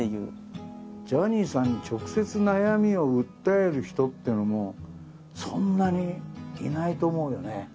ジャニーさんに直接悩みを訴える人ってのもそんなにいないと思うよね。